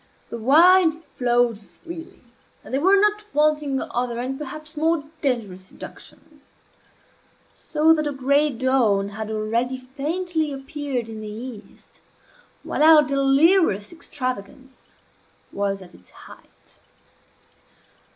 The wine flowed freely, and there were not wanting other and perhaps more dangerous seductions; so that the gray dawn had already faintly appeared in the east while our delirious extravagance was at its height.